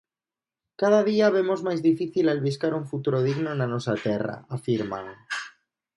Cada día vemos máis difícil albiscar un futuro digno na nosa terra, afirman.